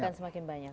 akan semakin banyak